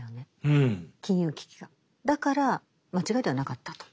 だから間違いではなかったと。